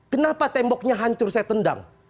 kenapa temboknya hancur saya tendang